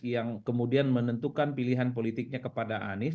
yang kemudian menentukan pilihan politiknya kepada anies